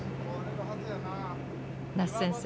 奈須先生